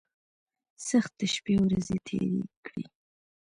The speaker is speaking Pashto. سختۍ شپې او ورځې تېرې کړې.